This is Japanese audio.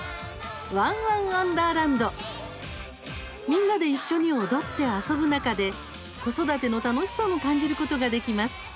「ワンワンわんだーらんど」。みんなで一緒に踊って遊ぶ中で子育ての楽しさも感じることができます。